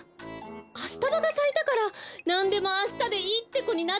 アシタバがさいたからなんでもあしたでいいってこになっちゃったのかしら。